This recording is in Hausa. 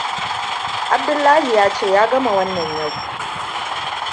Abdullahi ya ce ya gama wannan yau.